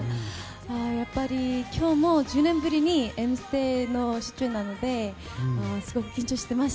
やっぱり、今日も１０年ぶりに「Ｍステ」の出演なのですごく緊張しています。